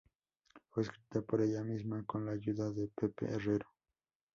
Fue escrita por ella misma con la ayuda de Pepe Herrero.